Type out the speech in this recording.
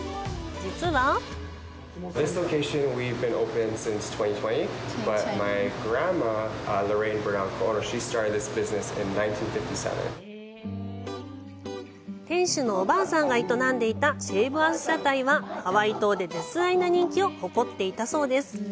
実は店主のおばあさんが営んでいたシェイブアイス屋台はハワイ島で絶大な人気を誇っていたそうです。